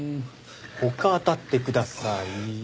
他当たってください。